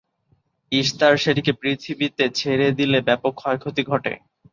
Ishtar সেটিকে পৃথিবীতে ছেড়ে দিলে ব্যাপক ক্ষয়ক্ষতি ঘটে।